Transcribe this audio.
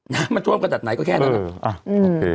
น้ำมันท่วมขนาดไหนก็แค่นั้น